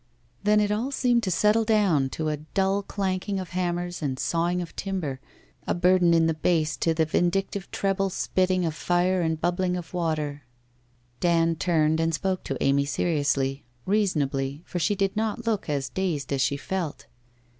... Then it all seemed to settle down to a dull clanking of hammers and sawing of timber, a burden in the bass to the vindictive treble spitting of fire and bubbling of water, Dand turned, and spoke to Amy seriously, reasonably, for she did not look as dazed as she felt.